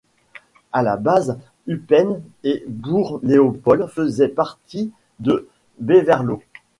À la base, Heppen et Bourg-Léopold faisaient partie de Beverlo.